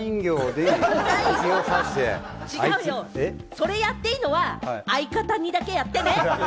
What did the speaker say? あいつって、それやっていいのは相方にだけやってね。